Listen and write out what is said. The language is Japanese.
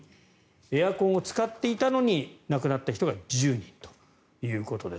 エアコンを使っていたのに亡くなった人が１０人ということです。